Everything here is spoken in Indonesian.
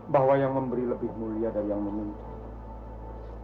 bahwa yang memberi lebih mulia dari yang menyentuh